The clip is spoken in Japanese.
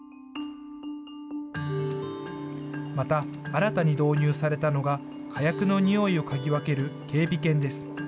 また、新たに導入されたのが火薬のにおいを嗅ぎ分ける警備犬です。